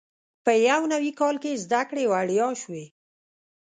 په یو نوي کال کې زده کړې وړیا شوې.